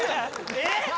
えっ！？